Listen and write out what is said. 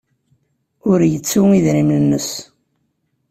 Ur yettu idrimen-nnes.